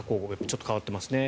ちょっと変わっていますね。